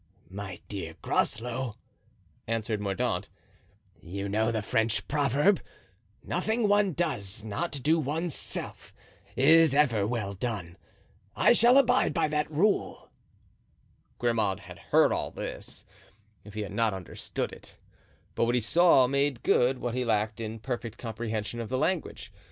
"My dear Groslow," answered Mordaunt, "you know the French proverb, 'Nothing one does not do one's self is ever well done.' I shall abide by that rule." Grimaud had heard all this, if he had not understood it. But what he saw made good what he lacked in perfect comprehension of the language.